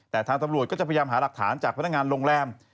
แต่ทางตำรวจก็จะพยายามหาหลักฐานจากพนักงานโรงแรม